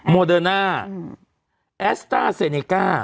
โมเดอร์น่าอาสตาร์เซเนกา